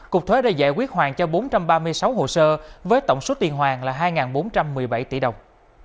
cục thuế đã giải quyết hoàn cho bốn trăm ba mươi sáu hồ sơ với tổng số tiền hoàn là hai bốn trăm một mươi bảy tỷ đồng